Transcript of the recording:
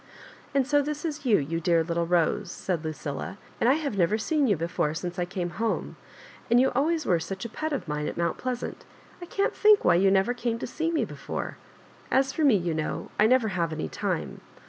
" And so this is you, you dear little Bose I" said Lucilla, "and I have'never seen you before since I came home— and you always were such a pet of mine at Mount Pleasant 1 I can't think why you never came to see me before ; as for me, you know, I never have any time.